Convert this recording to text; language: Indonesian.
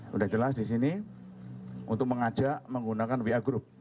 sudah jelas di sini untuk mengajak menggunakan wa group